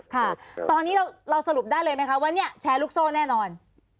ท่านคะทำนีเราสรุปได้เลยมั้ยคะว่าเนี้ยแชรุมด์โซ่แน่นอน